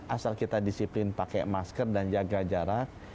asal kita disiplin pakai masker dan jaga jarak